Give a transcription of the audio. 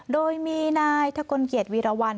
โดยมีนายเทคลเกียรติวิรวรรณ